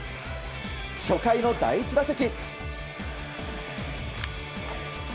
初回の第１打席。